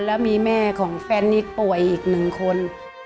แล้วมีแม่ของแฟนนี่ป่วยอีก๑คน